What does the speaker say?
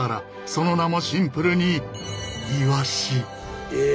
その名もシンプルに鰯。